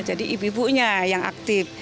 jadi ibu ibunya yang aktif